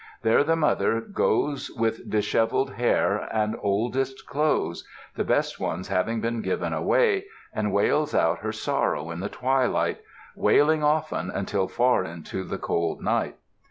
There the mother goes with disheveled hair and oldest clothes, the best ones having been given away, and wails out her sorrow in the twilight, wailing often until far into the cold night.